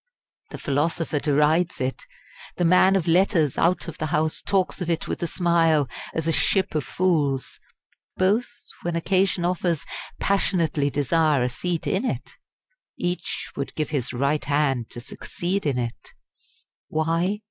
The philosopher derides it; the man of letters out of the House talks of it with a smile as a "Ship of Fools"; both, when occasion offers, passionately desire a seat in it; each would give his right hand to succeed in it. Why?